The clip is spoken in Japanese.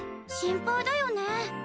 心配だよね。